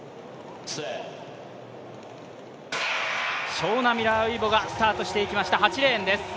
ショウナ・ミラーウイボがスタートしていきました、８レーンです。